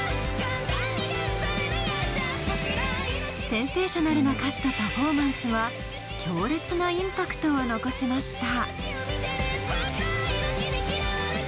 センセーショナルな歌詞とパフォーマンスは強烈なインパクトを残しました。